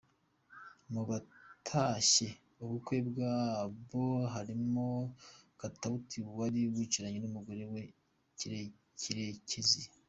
Mu batashye ubukwe bwabo harimo Katawuti wari wicaranye n'umugore wa Karekezi.